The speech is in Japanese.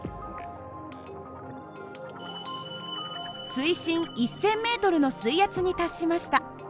水深１，０００ｍの水圧に達しました。